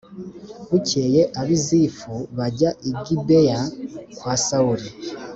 Bukeye ab’i Zifu bajya i Gibeya kwa Sawuli